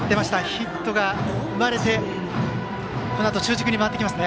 ヒットが生まれてこのあと中軸に回ってきます。